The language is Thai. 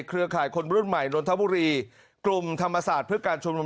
เครือข่ายคนรุ่นใหม่นนทบุรีกลุ่มธรรมศาสตร์เพื่อการชุมนุม